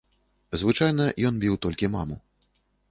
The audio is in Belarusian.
Звычайна, ён біў толькі маму.